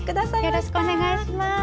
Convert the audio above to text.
よろしくお願いします。